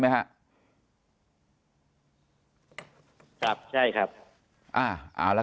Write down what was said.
ไหมครับ